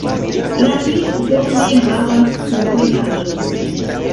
La lingvo ne havas komponaĵojn.